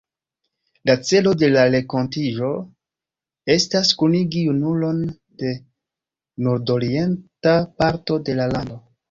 La celo de la renkontiĝo estas kunigi junulon de nordorienta parto de la lando.